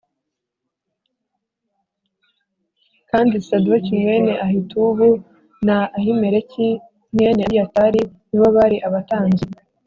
Kandi Sadoki mwene Ahitubu na Ahimeleki mwene Abiyatari ni bo bari abatambyi